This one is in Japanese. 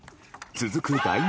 続く第２